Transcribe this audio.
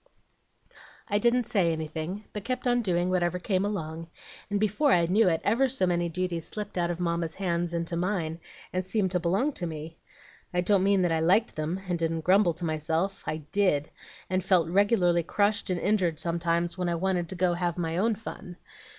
"I didn't say anything, but I kept on doing whatever came along, and before I knew it ever so many duties slipped out of Mamma's hands into mine, and seemed to belong to me. I don't mean that I liked them, and didn't grumble to myself; I did, and felt regularly crushed and injured sometimes when I wanted to go and have my own fun.